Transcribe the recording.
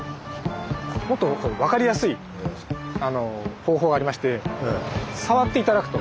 もっと分かりやすい方法ありまして触って頂くと。